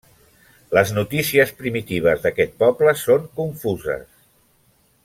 Les notícies primitives d'aquest poble són confuses.